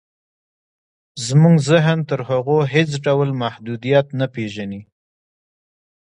زموږ ذهن تر هغو هېڅ ډول محدودیت نه پېژني